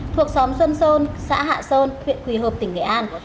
thuộc xóm xuân sơn xã hạ sơn huyện quỳ hợp tỉnh nghệ an